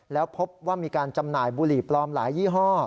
แล้วพบว่ามีการจำหน่ายบุหรี่ปลอมหลายยี่ห้อ